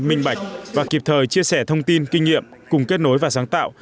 minh bạch và kịp thời chia sẻ thông tin kinh nghiệm cùng kết nối và sáng tạo